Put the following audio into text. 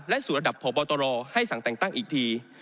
และสู่ระดับพบตรให้สั่งแต่งตั้งอีกที